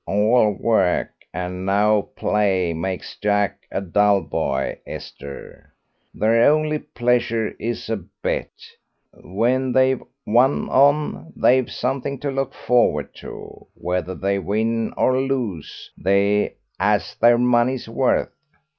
"'All work and no play makes Jack a dull boy,' Esther. Their only pleasure is a bet. When they've one on they've something to look forward to; whether they win or lose they 'as their money's worth.